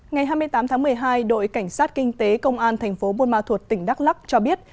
ngày hai mươi tám tháng một mươi hai đội cảnh sát kinh tế công an thành phố buôn ma thuột tỉnh đắk lắc cho biết